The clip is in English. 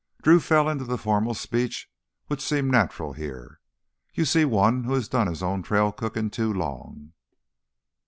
Drew fell into the formal speech which seemed natural here. "You see one who has done his own trail cooking too long."